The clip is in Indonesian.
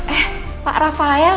eh pak rafael